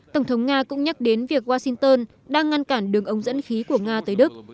tổng thống nga cũng nhắc đến việc washington đang ngăn cản đường ống dẫn khí của nga tới đức